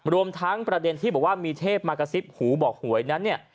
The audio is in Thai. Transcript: รวมทั้งประเด็นที่บอกว่ามีเทพมากระซิบหูบอกหวยนั้นเนี่ย